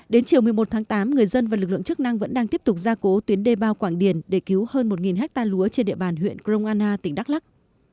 đến chiều một mươi một tháng tám người dân và lực lượng chức năng vẫn đang tiếp tục gia cố tuyến đê bao quảng điền để cứu hơn một ha lúa trên địa bàn huyện kroana tỉnh đắk lắc